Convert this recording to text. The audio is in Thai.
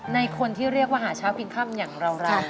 ในคนที่เรียกว่าหาชาวพิงคัมอย่างราว